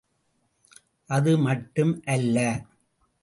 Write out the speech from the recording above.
அது மட்டும் அல்ல.